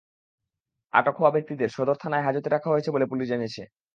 আটক হওয়া ব্যক্তিদের সদর থানার হাজতে রাখা হয়েছে বলে জানিয়েছে পুলিশ।